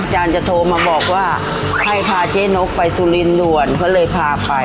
จะโทรมาบอกว่าให้พาเจ๊นกไปสุรินด่วนเขาเลยพาไป